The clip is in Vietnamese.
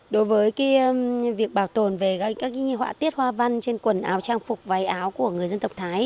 đối với việc bảo tồn về các họa tiết hoa văn trên quần áo trang phục váy áo của người dân tộc thái